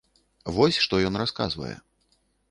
Вось што ён расказвае.